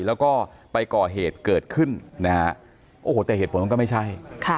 แล้วก็ไปก่อเหตุเกิดขึ้นแต่เหตุผลมันก็ไม่ใช่